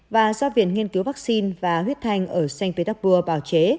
và do viện nghiên cứu vắc xin và huyết thanh ở st petersburg bảo chế